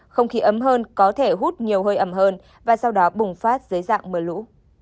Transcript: không khí ấm hơn có thể hút nhiều hơi ẩm hơn và sau đó bùng phát dưới dạng mưa lũ